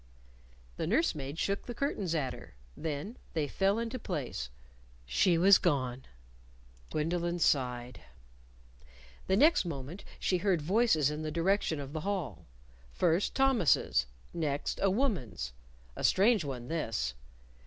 The nurse maid shook the curtains at her. Then they fell into place. She was gone. Gwendolyn sighed. The next moment she heard voices in the direction of the hall first, Thomas's; next, a woman's a strange one this.